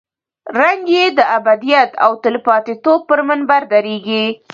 رنګ یې د ابدیت او تلپاتې توب پر منبر درېږي.